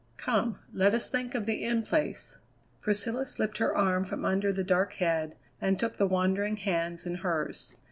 Come, let us think of the In Place." Priscilla slipped her arm from under the dark head, and took the wandering hands in hers.